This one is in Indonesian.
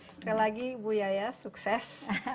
sekali lagi bu yaya sukses